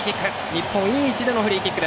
日本、いい位置でのフリーキック。